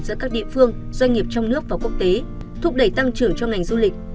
giữa các địa phương doanh nghiệp trong nước và quốc tế thúc đẩy tăng trưởng cho ngành du lịch